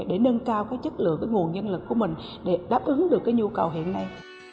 để nâng cao chất lượng nguồn nhân lực của mình để đáp ứng được cái nhu cầu hiện nay